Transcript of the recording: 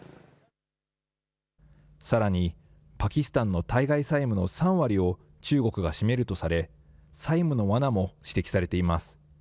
さらに、パキスタンの対外債務の３割を中国が占めるとされ、債務のわなも指摘されています。